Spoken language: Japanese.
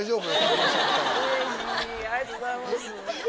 うれしいありがとうございます。